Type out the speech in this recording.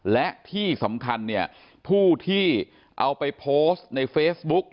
และที่สำคัญเนี่ยผู้ที่เอาไปโพสต์ในเฟซบุ๊ก